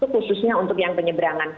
khususnya untuk yang penyeberangan